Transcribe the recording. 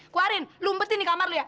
kuarin lu umpetin di kamar lu ya